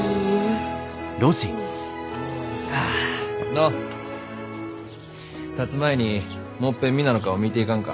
のうたつ前にもっぺん皆の顔見て行かんか？